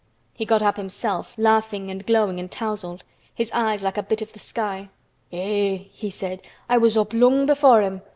He got up himself, laughing and glowing, and tousled; his eyes like a bit of the sky. "Eh!" he said. "I was up long before him.